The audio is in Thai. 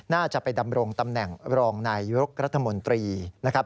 น่าจะไปดำรงตำแหน่งรองนายยกรัฐมนตรีนะครับ